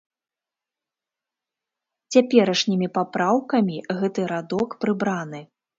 Цяперашнімі папраўкамі гэты радок прыбраны.